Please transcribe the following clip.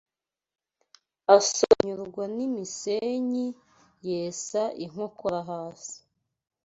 Asyonyorwa n'imisenyi yesa inkokora hasi